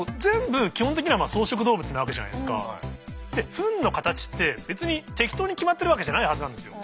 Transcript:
フンの形って別に適当に決まってるわけじゃないはずなんですよ。